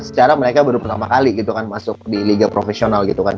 secara mereka baru pertama kali gitu kan masuk di liga profesional gitu kan